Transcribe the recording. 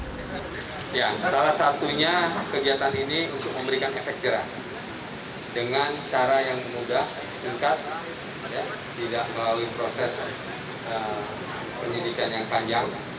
ya salah satunya kegiatan ini untuk memberikan efek jerah dengan cara yang mudah singkat tidak melalui proses penyidikan yang panjang